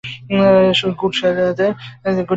গুডি শালাদের ব্যাগ দেখিসনি কখনো?